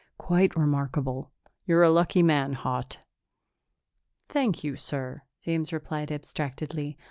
"Quite remarkable. You're a lucky man, Haut." "Thank you, sir," James replied abstractedly.